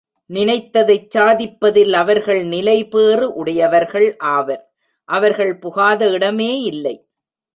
நினைத்ததைச் சாதிப்பதில் அவர்கள் நிலைபேறு உடையவர்கள் ஆவர். அவர்கள் புகாத இடமே இல்லை.